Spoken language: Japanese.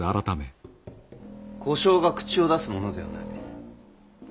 小姓が口を出すものではない。